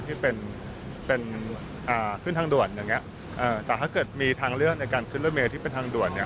ที่เป็นเป็นอ่าขึ้นทางด่วนอย่างเงี้แต่ถ้าเกิดมีทางเลือกในการขึ้นรถเมย์ที่เป็นทางด่วนเนี่ย